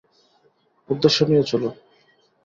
উদ্দেশ্য নিয়ে চলো।